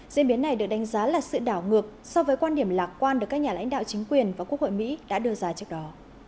diễn biến này được đánh giá là sự đảo ngược so với quan điểm lạc quan được các nhà lãnh đạo chính quyền và quốc hội mỹ đã đưa ra trước đó